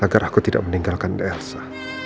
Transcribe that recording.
agar aku tidak meninggalkan delsa